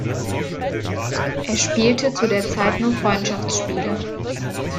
Er spielte zu der Zeit nur Freundschaftsspiele.